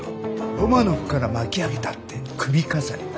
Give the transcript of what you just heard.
ロマノフから巻き上げたって首飾りか。